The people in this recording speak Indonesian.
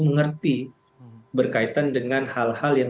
mengerti berkaitan dengan hal hal yang